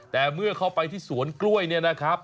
แต่เมื่อเข้าไปที่สวนกล้วยเนี่ยนะครับ